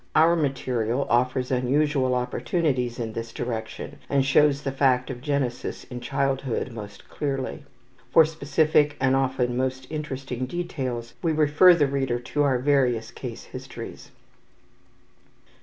Our material offers unusual opportunities in this direction and shows the fact of genesis in childhood most clearly. For specific and often most interesting details we refer the reader to our various case histories.